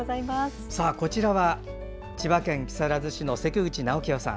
こちらは千葉県木更津市の関口尚清さん。